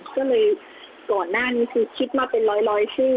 ก็เลยก่อนหน้านี้คือคิดมาเป็นร้อยชื่อ